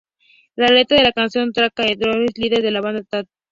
La letra de la canción trata de Tad Doyle, líder de la banda Tad.